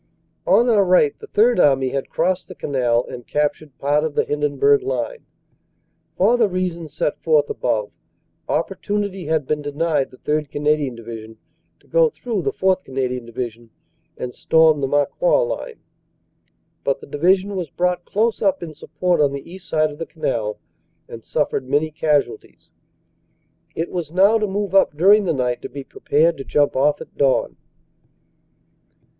On our right the Third Army had crossed the canal and captured part of the Hindenburg line. For the reasons set forth above, opportunity had been denied the 3rd. Canadian Division to go through the 4th. Canadian Division and storm the Marcoing line, but the Division was brought close up in support on the east side of the canal, and suffered many casual ties. It was now to move up during the night to be prepared to jump off at dawn.